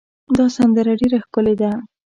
دا سندره ډېره ښکلې ده.